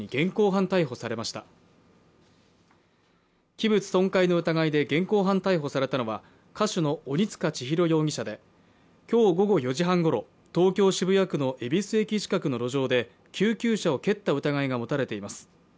器物損壊の疑いで現行犯逮捕されたのは、歌手の鬼束ちひろ容疑者で、今日午後４時半ごろ、東京・渋谷区の恵比寿駅近くの路上で救急車を蹴った疑いが持たれています。